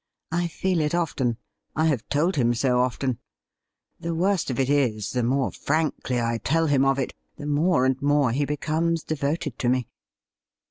I feel it often; I have told him so often. The worst of it is, the more frankly I tell him of it, the more and more he becomes devoted to rae.'